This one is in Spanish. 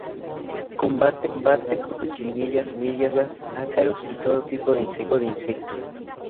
Combate pulgones, cochinillas, orugas, ácaros y todo tipo de insectos.